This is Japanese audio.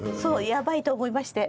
「やばいと思いまして」。